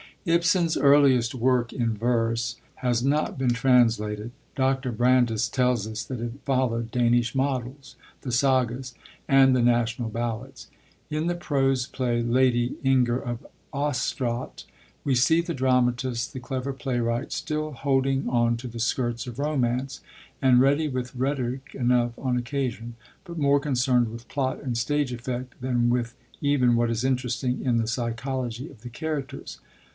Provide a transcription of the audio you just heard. Ibsen's earliest work in verse has not been translated. Dr. Brandes tells us that it followed Danish models, the sagas, and the national ballads. In the prose play, Lady Inger of Östraat, we see the dramatist, the clever playwright, still holding on to the skirts of romance, and ready with rhetoric enough on occasion, but more concerned with plot and stage effect than with even what is interesting in the psychology of the characters.